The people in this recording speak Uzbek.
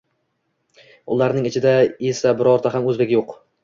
Ularning ichida esa birorta ham oʻzbek yoʻq.